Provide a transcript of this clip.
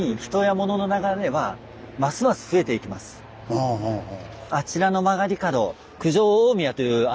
ああはあはあ。